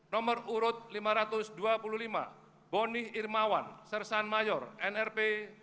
no lima ratus dua puluh lima bonih irmawan sersan mayor nrp lima ratus lima belas ribu dua ratus lima puluh satu